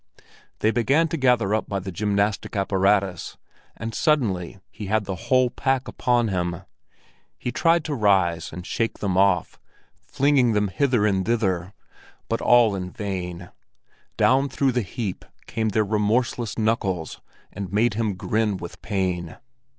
They began to gather up by the gymnastic apparatus, and suddenly he had the whole pack upon him. He tried to rise and shake them off, flinging them hither and thither, but all in vain; down through the heap came their remorseless knuckles and made him grin with pain.